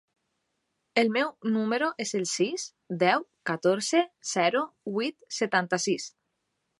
El meu número es el sis, deu, catorze, zero, vuit, setanta-sis.